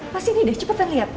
pas ini deh cepetan lihat